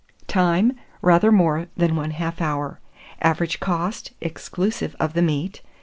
Time. Rather more than 1/2 hour. Average cost, exclusive of the meat, 6d.